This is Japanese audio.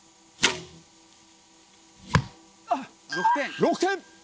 ６点。